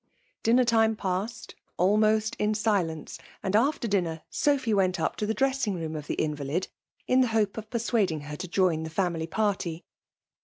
Dinner time passed, almqst in silence ; and . after dinner, .Sophy went up to the dipee^ing , rooxa of the invalid, in the l^ope of persuadingf her to join the femily party.